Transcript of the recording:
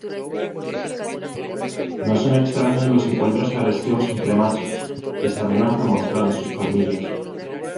No son extraños los encuentros agresivos entre machos, que se amenazan mostrando sus colmillos.